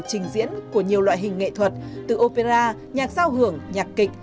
trình diễn của nhiều loại hình nghệ thuật từ opera nhạc giao hưởng nhạc kịch